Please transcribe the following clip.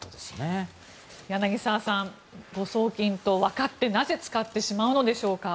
柳澤さん誤送金と分かってなぜ使ってしまうのでしょうか。